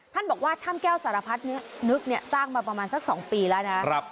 ท่านบอกว่าถ้ำแก้วสารพัดนี้นึกสร้างมาประมาณสัก๒ปีแล้วนะ